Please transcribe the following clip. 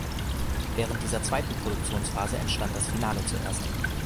Während dieser zweiten Produktionsphase entstand das Finale zuerst.